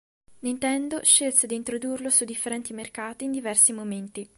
Nintendo scelse di introdurlo su differenti mercati in diversi momenti.